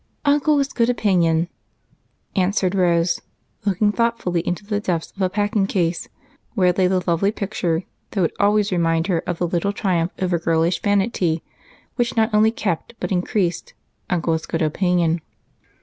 "Uncle's good opinion," answered Rose, looking thoughtfully into the depths of a packing case, where lay the lovely picture that would always remind her of the little triumph over girlish vanity, which not only kept but increased "Uncle's good opinion."